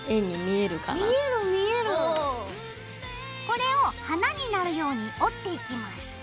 これを花になるように折っていきます。